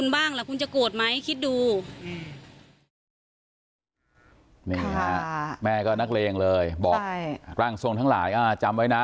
แม่ก็นักเลงเลยบอกทั้งหลายจำไว้นะ